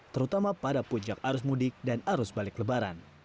terutama pada puncak arus mudik dan arus balik lebaran